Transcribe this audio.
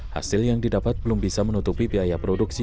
hasil yang didapat belum bisa menutupi biaya produksi